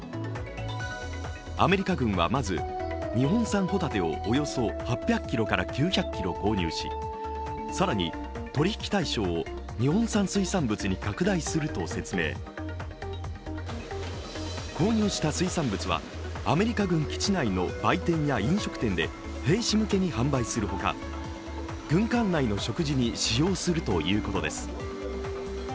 アメリカ軍はまず日本産帆立てをおよそ８００ｋｇから９００ｋｇ購入し更に取引対象を日本産水産物に拡大すると説明購入した水産物は、アメリカ軍基地内の売店や飲食店で兵士向けに販売するほか、軍艦内の食事に使用するということです。